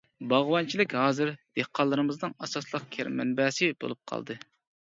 باغۋەنچىلىك ھازىر دېھقانلىرىمىزنىڭ ئاساسلىق كىرىم مەنبەسى بولۇپ قالدى.